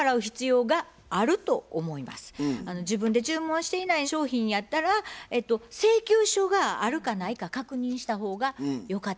自分で注文していない商品やったら請求書があるかないか確認した方がよかったかなと思うんですけど。